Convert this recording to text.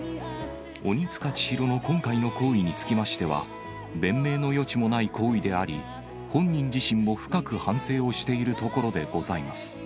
鬼束ちひろの今回の行為につきましては、弁明の余地もない行為であり、本人自身も深く反省をしているところでございます。